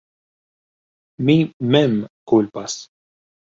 Mi mem kulpas.